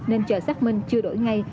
nên chờ xác minh chưa đổi ngay